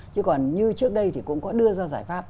chứ còn như trước đây thì cũng có đưa ra giải pháp